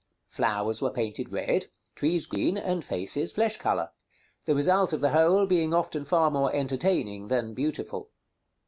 Flowers were painted red, trees green, and faces flesh color; the result of the whole being often far more entertaining than beautiful.